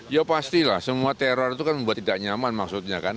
ya pastilah semua teror itu kan membuat tidak nyaman maksudnya kan